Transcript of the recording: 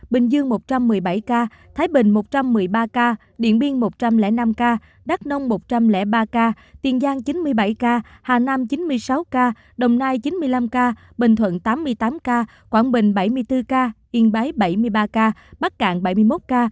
bình dương một trăm một mươi bảy ca thái bình một trăm một mươi ba ca điện biên một trăm linh năm ca đắk nông một trăm linh ba ca tiền giang chín mươi bảy ca hà nam chín mươi sáu ca đồng nai chín mươi năm ca bình thuận tám mươi tám ca quảng bình bảy mươi bốn ca yên bái bảy mươi ba ca bắc cạn bảy mươi một ca